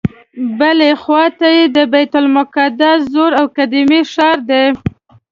بلې خواته یې د بیت المقدس زوړ او قدیمي ښار دی.